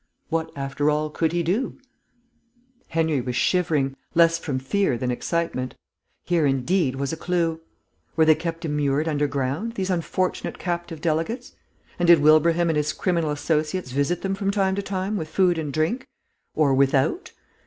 What, after all, could he do? Henry was shivering, less from fear than excitement. Here, indeed, was a clue. Were they kept immured underground, these unfortunate captive delegates? And did Wilbraham and his criminal associates visit them from time to time with food and drink? Or without?